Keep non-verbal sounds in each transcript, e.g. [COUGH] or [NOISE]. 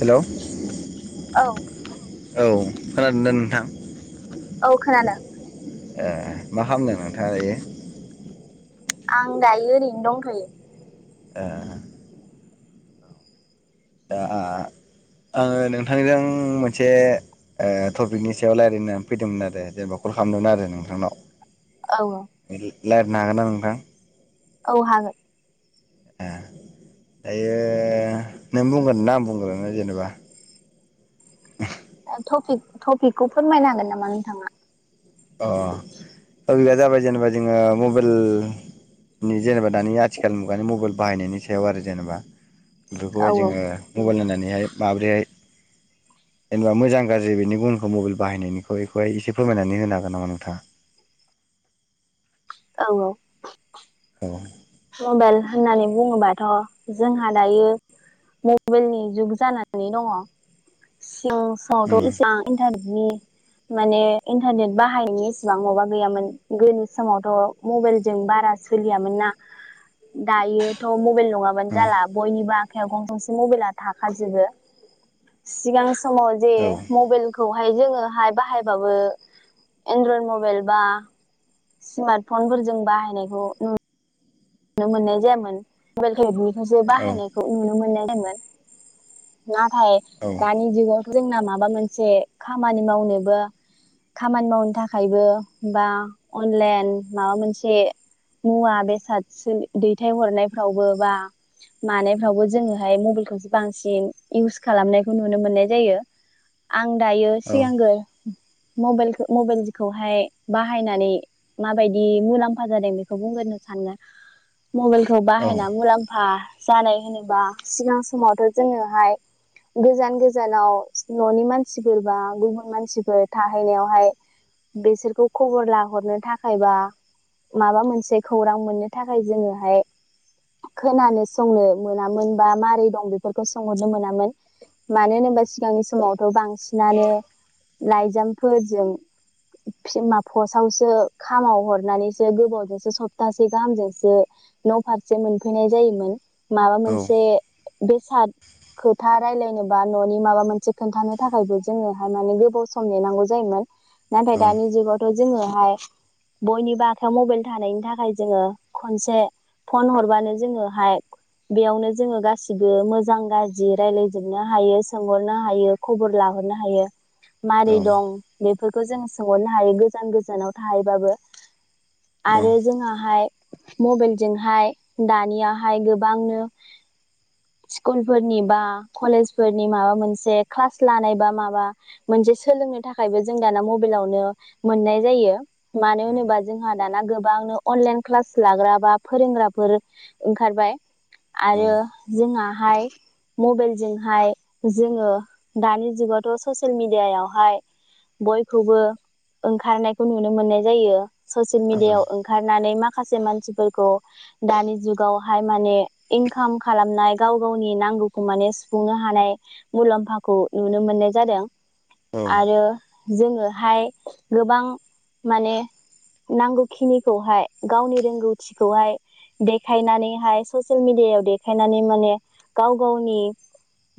Hello औ खोनादों ना नोंथां? औ खोनादों। ए मा खालामदों नोंथाङा दायो? आं दायो ओरैनो दंथ'यो। ओ दा आङो नोंथांजों मोनसे ओ टपिकनि सायाव रायलायनो फैदोंमोन आरो जेनेबा कल खालामदोंमोन आरो नोंथांनाव। औ। रायलायनो हागोनना नोंथां? औ हागोन। ए दायो नों बुंगोन ना आं बुंग्रोनो जेनेबा। टपिक टपिकखौ फोरमायनो हागोन नामा नोंथाङा? अ दा बिदिबा जागायजेनोबा जोङो मबाइल। जेनेबा दानि आथिखाल मुगानि मबाइल बाहायनायनि सायाव आरो जेनेबा औ बेफोरखौहाय जोङो मबाइल नायनानैहाय माबोरैहाय जेनेबा मोजां गाज्रि बेनि गुनखौ मबाइल बाहायनायनिखौ बेखौहाय एसे फोरमायनानै होनो हा नामा नोंथां। औ औ मबाइल होननानै बुङोबाथ' जोंहा दायो। मबाइलनि जुग जानानै दङ। सिं सिङावथ' इसेबां इन्टारने नि माने इन्टारनेट बाहायनायनि इसेबां माबा गैयामोन। गोनि समावथ' मबाइलजों बारा सोलियामोन ना। दायोथ' मबाइल नङाबानो जाला बयनिबो आख खायाव गं-गंसे मबाइला थाखाजोबो। सिगां समाव जे मबाइलखौ हाय जोङोहाय बाहायबावो एनड्रयड मबाइल बा स्मार्ट फनफोरजों बाहायनायखौ नु नुनो मोननाय जायामोन। मबेल [UNINTELLIGIBLE] गैयिखायसो बाहायनायखौ नुनो मोननाय जायोमोन। नाथाय दानि जुगाव जोंना माबा मोनसे खामानि मावनोबो खामानि मावनो थाखायबो बा अनलाइन माबा मोनसे मुवा बेसाद सो दैथायहरनायफ्रावबो बा मानायफ्रावबो जोङोहाय मबाइलखौसो बांसिन इउस खालामनायखौ नुनो मोननाय जायो। आं दायो सिगांगोर मबेल मबेलखौहाय बाहायनानै माबायदि मुलाम्फा जादों बेखौ बुंग्रोनो सानो मबेलखौ बाहायना मुलाम्फा जानाय होनोबा सिगां समावथ' जोङोहाय गोजान गोजानाव न'नि मानसिफोर बा गुबुन मानसिफोर थाहैनायावहाय बेसोरखौ खबर लाहरनो थाखायबा माबा मोनसे खौरां मोननो थाखाय जोङोहाय खोनानो संनो मोनामोन बा मारै दं बेफोरखौ सोंहरनो मोनामोन। मानो होनोबा सिगांनि समावथ' बांसिनानो लाइजामफोरजों फिमा पसावसो खामाव हरनानैसो गोबावजोंसो सप्तासे गाहामजोंसो न' फारसे मोनफैनाय जायोमोन। माबा मोनसे बेसाद खोथा रायलायनोबा न'नि माबा मोनसे खोन्थानो थाखायबो जोङोहाय माने गोबाव सम नेनांगौ जायोमोन। नाथाय दानि जुगावथ' जोङोहाय बयनिबा आखाइयाव मबाइल थानायनि थाखाय जोङो खनसे फन हरबानो जोङोहाय बेयावनो जोङो गासिबो मोजां गाज्रि रायलायजोबनो हायो सोंहरनो हायो। खबर ला हरनो हायो। मारै दं? बेफोरखौ जों सोंहरनो हायो गोजान गोजानाव थाहैबाबो। आरो जोंहा मबाइलजोंहाय दानियाहाय गोबाङानो। स्कुल फोरनि बा कलेजफोरनि माबा मोनसे क्लास लानाय बा माबा मोन से सोलोंनो थाखायबो जों दाना मबाइलावनो मोननाय जायो। मानो होनोबा जोंहा दाना गोबांनो अनलाइन क्लास लाग्रा बा फोरोंग्राफोर ओंखारबाय। आरो जोंहा हाय मबाइलजोंहाय जोङो दानि जुगावथ' स'सियेल मिडियायावहाय बयखौबो ओंखारनायखौ नुनो मोननाय जायो। स'सियेल मिडियाव ओं नानै माखासे मानसिफोरखौ दानि जुगावहाय माने इंखाम खालामनाय गाव गावनि नांगौखौ माने सुफुंनो हानाय मुलाम्फाखौ नुनो मोननाय जादों। आरो जोङोहाय गोबां माने नांगौखिनि खौहाय गावनि रोंगौथिखौहाय देखायनानैहाय ससियेल मिडियायाव देखायनानै माने। गाव गावनि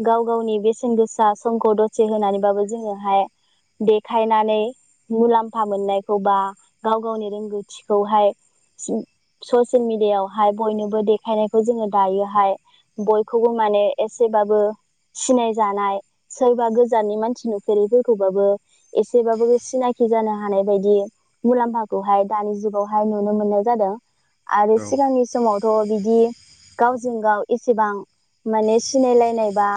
गाव गावनि बेसेन गोसा समखौ दसे होनानैबाबो जोङोहाय। देखायनानै मुलाम्फा मोननायखौ बा गाव गावनि रोंगौथि खौहाय सि स'सियेल मिडियावहाय बयनोबो देखायनायखौ जोङो दायोहाय। बयखौबो माने एसेबाबो सिनायजानाय सोरबा गोजाननि मानसि नुफेरैफोरखौबाबो एसेबाबो सिनाय जानो हानाय बायदि मुलाम्फाखौहाय दानि जुगाव हाय नुनो मोननाय जादों आरो सिगांनि समावथ' बिदि गावजों गाव एसेबां माने सिनायलायनाय बा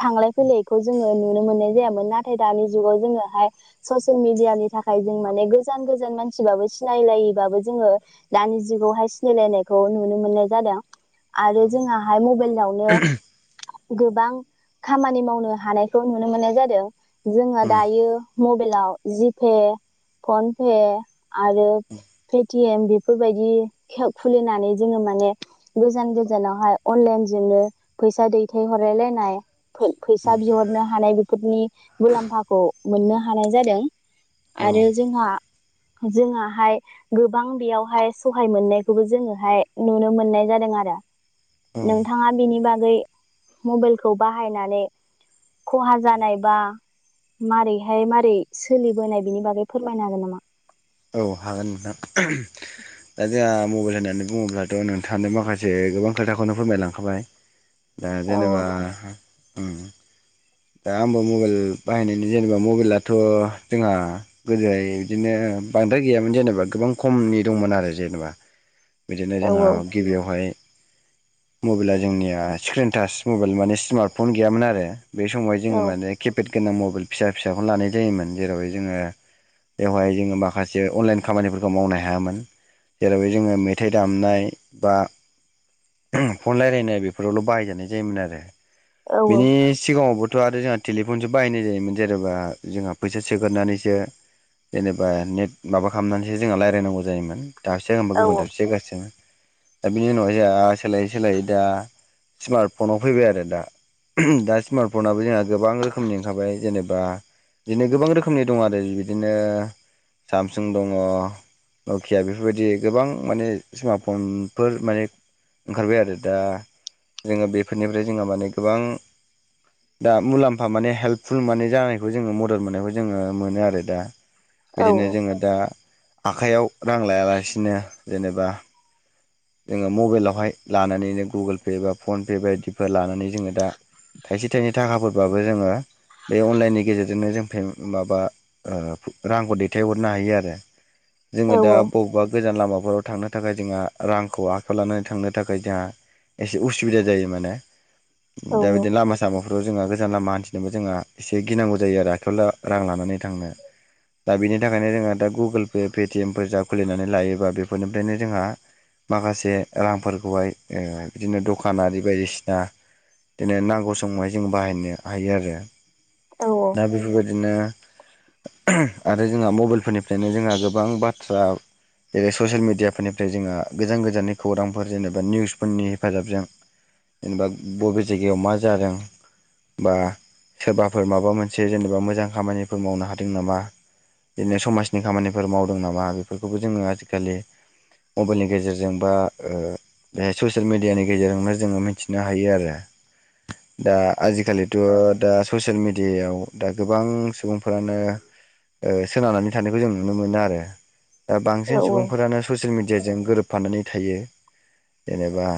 थांलाय फैलायखौ जोङो नुनो मोननाय जायामोन नाथाय दानि जुगाव जोङोहाय ससिल मिडियानि थाखाय जों माने गोजान गोजान मानसिबाबो सिनायलायो बाबो जोङो दानि जुगावहाय सिनायलायनायखौ नुनो मोननाय जादों आरो जोंहाहाय मबाइलावनो गोबां खामानि मावनो हानायखौ नुनो मोननाय जादों जोङो दायो मबाइलाव जिपे फनपे आरो पेटिएम बेफोरबायदि खेव खुलिनानै जोङो माने गोजान गोजानावहाय अनलाइन बिदिनो फैसा दैथायहरलायलायनाय फै फैसा बिहरनो हानाय बेफोरनि मुलाम्फाखौ मोननो हानाय जादों आरो जोंहा जोंहाहाय गोबां बेयावहाय सहाय मोननायखौबो जोङोहाय नुनो मोननाय जादों आरो नोंथाङा बिनि बागै मबाइलखौ बाहायनानै खहा जानायबा मारैहाय मारै सोलिबोनाय बिनि बागै फोरमायनो हागोन नामा औ हागोन नोंथां दा जोंहा मबाइल होननानै बुङोब्लाथ' नोंथांनो माखासे गोबां खोथाखौनो फोरमायलांखाबाय दा औ जेनेबा उम दा आंबो मबाइल बाहायनायनि जेनेबा मबाइलाथ' जोंहा गोदोहाय इदिनो बांद्राय गैयामोन जेनेबा गोबां खमनि दंमोन आरो जेनेबा बिदिनो औ जोंहा गिबियावहाय मबाइला जोंनिया स्क्रिन टाच मबाइल माने स्मार्टफन गैयामोन आरो बे समावहाय औ जोङो माने किपेद गोनां मबाइल फिसा फिसाखौनो लानाय जायोमोन जेरावहाय जोङो बेवहाय जोङो माखासे अनलाइन खामानिफोरखौ मावनो हायामोन जेरावहाय जोङो मेथाइ दामनाय बा फन रायलायनाय बेफोरावल' बाहायजानाय जायोमोन आरो औ बिनि सिगाङावबो थ' आरो जोंहा टेलिफनसो बाहायनाय जायोमोन जेनेबा जोंहा फैसा सोगोरनानैसो जेनेबा नेट माबा खालामनानैसो जोंहा रायलायनांगौ जायोमोन दाबसे होमबा औ गुबुन दाबसे गासिबो दा बिनि उनाव जोंहा सोलायै सोलायै दा स्मार्ट फनाव फैबाय आरो दा दा स्मार्टफनाबो जोंहा गोबां रोखोमनि ओंखारबाय जेनेबा बिदिनो गोबां रोखोमनि दङ आरो बिदिनो सामसुं दङ नखिया बेफोरबायदि गोबां माने स्मार्ट फनफोर माने ओंखारबाय आरो दा जोङो बेफोरनिफ्राय जोंहा माने गोबां दा मुलाम्फा माने हेल्पफुल माने जानायखौ जोङो मदद मोननायखौ जोङो मोनो आरो दा बिदिनो औ जोङो दा आखाइयाव रां लायालासिनो जेनेबा जोङो मबाइलावहाय लानानै जों गुगोल पे बा फन पे बायदिफोर लानानै जोङो दा थाइसे थाइनै थाखाफोर बाबो जोङो बे अनलाइननि गेजेरजोंनो जों फे माबा रांखौ दैथायहरनो हायो आरो जोङो औ दा बबेबा गोजान लामाफोराव थांनो थाखाय जोंहा रांखौ आखायाव लानानै थांनो थाखाय जोंहा एसे उसुबिदा जायो माने औ दा बिदिनो लामा सामा ओ जोंहा गोजान लामा हान्थिनोबो जोंहा एसे गिनांगौ जायो आरो आखायाव रां लानानै थांनो दा बेनि थाखायनो जोंहा दा गुगोल पे पेटिएमफोर जा खुलिनानै लायोबा बेफोरनिफ्रायनो जोंहा माखासे रांफोरखौहाय बिदिनो दखानारि बायदिसिना बिदिनो नांगौ समावहाय जों बाहायनो हायो आरो औ दा बेफोरबायदिनो आरो जोंहा मबेल फोरनिफ्रायनो जोंहा गोबां बाथ थ्रा जेरै ससियेल मिडियाफोरनिफ्राय जोङो गोजान गोजाननि खौरांफोर जेनेबा निउसफोरनि हेफाजाबजों जेनेबा बबे जायगायाव मा जादों बा सोरबाफोर माबा मोनसे जेनेबा मोजां खामानिफोर मावनो हादों नामा? बिदिनो समाजनि खामानिफोर मावदों नामा बेफोरखौबो जोङो आजिखालि मबाइलनि गेजेरजों बा ओ बेहाय ससियेल मिडियानि गेजेरजोंनो जोङो मिथिनो हायो आरो। दा आजिखालिथ' दा ससियेल मिडियायाव दा गोबां सुबुंफोरानो ओ सोनारनानै थानायखौ जों नुनो मोनो आरो। दा बांसिन सुबुंफोरानो ससियेल मिडियाजों गोरोबफानानै थायो। जेनेबा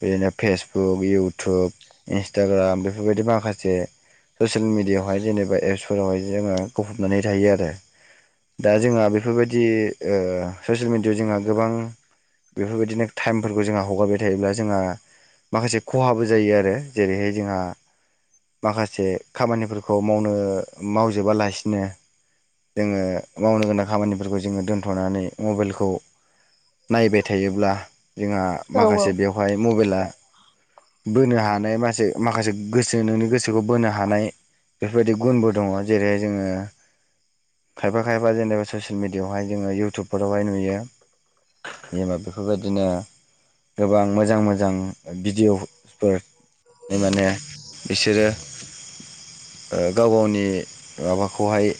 बिदिनो फेसबुक इउटुब इन्सटाग्राम बेफोरबायदि माखासे ससियेल मिडियाआवहाय जेनेबा एप्सफोरावहाय जोङो गफबनानै थायो आरो। दा जोंहा बेफोरबायदि ओ ससियेल मिडियाआव जोंहा गोबां बेफोरबायदिनो टाइम फोरबो जोंहा हगारबाय थायोब्ला जोंहा माखासे खहाबो जायो आरो जेरैहाय जोंहा माखासे खामानिफोरखौ मावनो मावजोबालासिनो जोङो मावनो गोनां खामानिफोरखौ जोङो दोन्थ'नानै मबाइलखौ नायबाय थायोब्ला जोंहा माखासे बेवहाय मबाइला बोनो हानाय मासे माखासे गोसो नोंनि गोसोखौ बोनो हानाय बेफोरबायदि गुनबो दङ जेरै जोङो खायफा खायफा जेनेबा ससियेल मिडियायावहाय जोङो इयटुबफोरावहाय नुयो। एबा बेफोरबायदिनो गोबां मोजां मोजां भिडिअफोर माने बिसोरो ओ गाव गावनि माबाखौहाय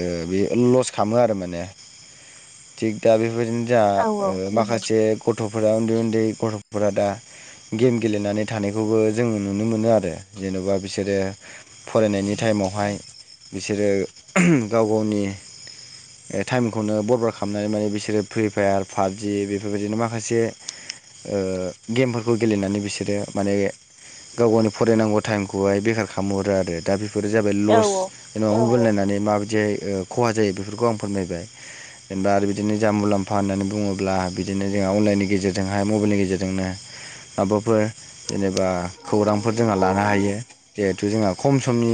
ओ बे लस खालामो आरो माने। थिग दा बेबायदिनो जा ओ माखासे गथ'फोरा उन्दै उन्दै गथ'फोरा दा गेम गेलेनानै थानायखौबो जोङो नुनो मोनो आरो जेन'बा बिसोरो फरायनायनि टाइम टाइमावहाय बिसोरो गाव गावनि ओ टाइमखौनो बरबाट खालामनानै माने बिसोरो फ्रि फायार पाबजि बेफोरबायदिनो माखासे ओ गेमफोरखौ गेलेनानै बिसोरो माने गाव गावनि फरायनांगौ टाइमखौहाय बेखार खालामहरो आरो दा बेफ बेफोरो जाबाय लस जेन'बा मबाइल नायनानै माबायदिहाय खहा जायो बेफोरखौ आं फोरमायबाय। जेनेबा आरो बिदिनो जोंहा मुलाम्फा होननानै बुङोब्ला बिदिनो जोंहा अनलाइननि गेजेरजोंहाय मबाइलनि गेजेरजोंनो माबाफोर जेनेबा खौरांफोर जोंहा लानो हायो जिहेथु जोंहा खम समनि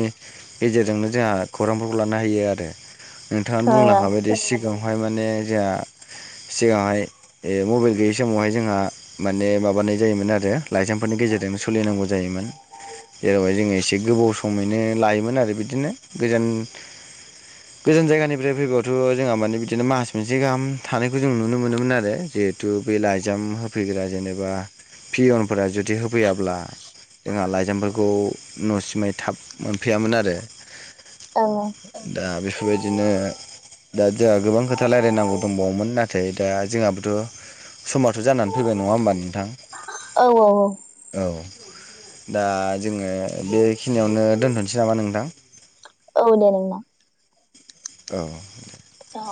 गेजेरजोंनो जोंहा खौरांफोरखौ लानो हायो आरो नोंथाङा बुंलांखाबायदि सिगाङाव बेवहाय माने जोहा सिगाङावहाय ओ मबाइल गैयै समावहाय जोंहा माने माबानाय जायोमोन आरो लाइजामफोरनि गे गेजेरजोंनो सोलिनांगौ जायोमोन। जेरावहाय जोङो एसे गोबाव समैनो लायोमोन आरो बिदिनो गोजान गोजान जायगानिफ्राय फैबाबोथ' जोंहा माने बिदि नो मास मोनसे गाहाम थानायखौ जों नुनो मोनोमोन आरो जिहेथु बे लाइजाम होफैग्रा जेनेबा पियनफोरा जुदि होफैयाब्ला जोंहा लाइजामफोरखौ न'सिमै थाब मोनफैयामोन आरो। दा बेफोरबायदिनो दा जोंहा गोबां खोथा रायलायनांगौ दंबावोमोन नाथाय दा जोंहाबोथ' समाथ' जानानै फैबाय नङा होमबा नोंथां? औ औ औ। औ दा जोङो बेखिनियावनो दोनथ'नोसै नामा नोंथां? औ दे [UNINTELLIGIBLE] औ दे औ